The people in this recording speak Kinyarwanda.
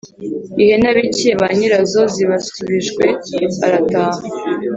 Ihene abikiye ba nyirazo zibasubijwe arataha.